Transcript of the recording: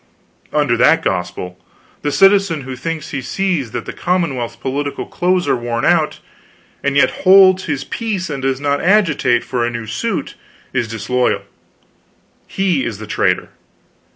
Under that gospel, the citizen who thinks he sees that the commonwealth's political clothes are worn out, and yet holds his peace and does not agitate for a new suit, is disloyal; he is a traitor.